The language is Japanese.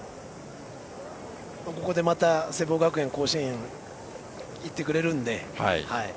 ここでまた聖望学園が甲子園に行ってくれるので。